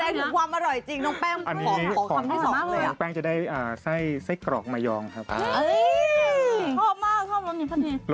แต่รู้ความอร่อยจริงน้องแป้มคนนึงคอมช่วยมากเลยจะได้ใส่ใส่กรอกมายองครับ